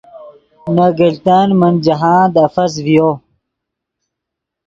نے گلتن من جاہند افس ڤیو